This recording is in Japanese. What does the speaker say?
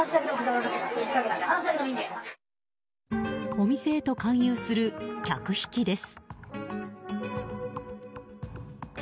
お店へと勧誘する客引きです。